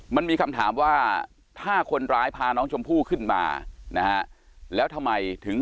มันมีคำถามว่าถ้าคนร้ายพาน้องชมพู่ขึ้นมานะฮะแล้วทำไมถึง